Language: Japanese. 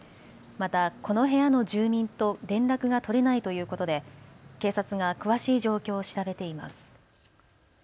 また、この部屋の住民と連絡が取れないということで警察が詳しい状況を調べています。